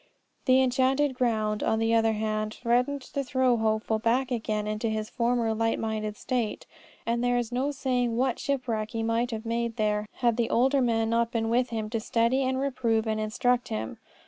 The Enchanted Ground, on the other hand, threatened to throw Hopeful back again into his former light minded state. And there is no saying what shipwreck he might have made there had the older man not been with him to steady and reprove and instruct him.